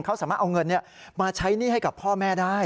เขาสามารถเอาเงินมาใช้หนี้ให้กับพ่อแม่ได้